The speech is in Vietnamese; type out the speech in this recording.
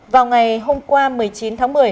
vào ngày hôm qua một mươi chín tháng một mươi